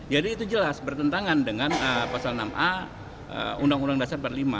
jadi itu jelas bertentangan dengan pasal enam a undang undang dasar empat puluh lima